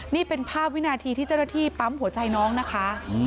นี่เป็นภาพวินาทีที่เจ้าหน้าที่ปั๊มหัวใจน้องนะคะ